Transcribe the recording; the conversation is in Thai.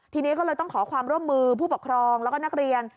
ทีนี้ก็เลยต้องขอความร่วมมือผู้ปกครองแล้วก็นักเรียน